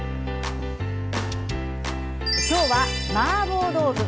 今日はマーボー豆腐。